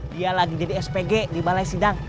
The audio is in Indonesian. dia lagi jadi spg di balai sidang